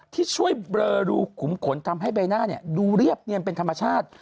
ที่ช่วยเบลอรูขุมขนทำให้ใบหน้าดูเรียบเนียนเป็นธรรมชาติ